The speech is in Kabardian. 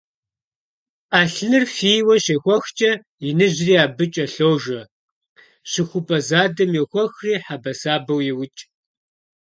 Ӏэлъыныр фийуэ щехуэхкӀэ иныжьри абы кӀэлъожэ, щыхупӏэ задэм йохуэхри хьэбэсабэу еукӀ.